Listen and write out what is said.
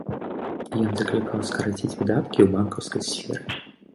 Ён заклікаў скараціць выдаткі ў банкаўскай сферы.